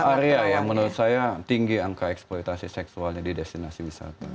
area yang menurut saya tinggi angka eksploitasi seksualnya di destinasi wisata